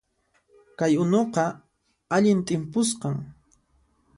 Kay unuqa allin t'impusqan